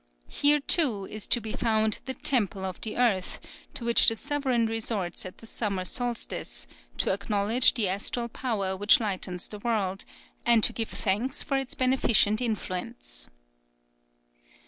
Here, too, is to be found the "Temple of the Earth," to which the sovereign resorts at the summer solstice, to acknowledge the astral power which lightens the world, and to give thanks for its beneficent influence.